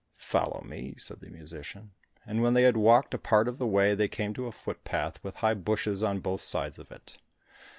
"Follow me," said the musician; and when they had walked a part of the way, they came to a footpath, with high bushes on both sides of it.